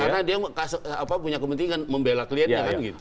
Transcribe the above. karena dia punya kepentingan membela kliennya kan gitu